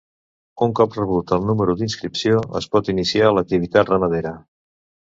Un cop rebut el número d'inscripció es pot iniciar l'activitat ramadera.